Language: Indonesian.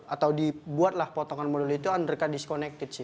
atau dibuat lah potongan model itu undercut disconnected sih